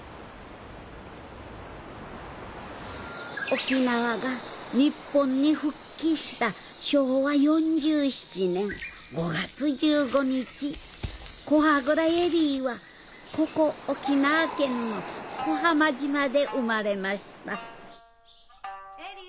沖縄が日本に復帰した昭和４７年５月１５日古波蔵恵里は沖縄県の小浜島で生まれました・恵里！